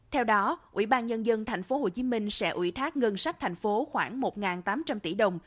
theo đó ủy ban nhân dân tp hcm sẽ ủy thác ngân sách thành phố khoảng một tám trăm linh tỷ đồng